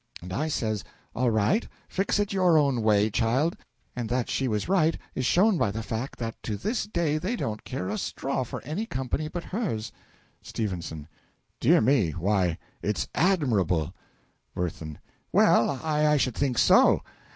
And I says, 'All right fix it your own way, child;' and that she was right is shown by the fact that to this day they don't care a straw for any company but hers. S. Dear me; why, it's admirable! WIRTHIN. Well, I should think so!